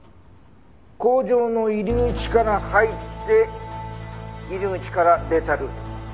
工場の入り口から入って入り口から出たルート。